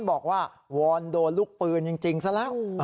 บอกว่าวอนโดนลูกปืนจริงซะแล้ว